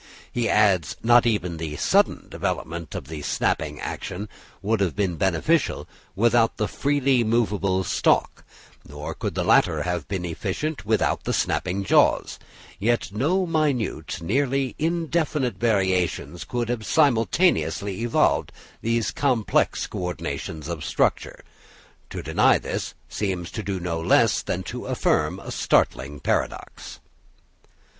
He adds, "not even the sudden development of the snapping action would have been beneficial without the freely movable stalk, nor could the latter have been efficient without the snapping jaws, yet no minute, nearly indefinite variations could simultaneously evolve these complex co ordinations of structure; to deny this seems to do no less than to affirm a startling paradox."